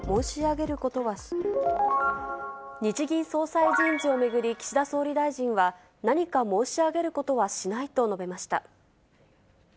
日銀総裁人事を巡り、岸田総理大臣は、何か申し上げることはしないと述べました。